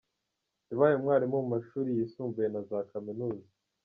Yabaye Umwarimu mu mashuri yisumbuye na za Kaminuza.